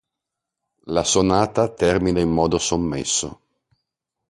La Sonata termina in modo sommesso.